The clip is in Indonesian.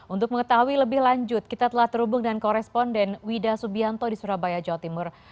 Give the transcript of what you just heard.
untuk mengetahui lebih lanjut kita telah terhubung dengan koresponden wida subianto di surabaya jawa timur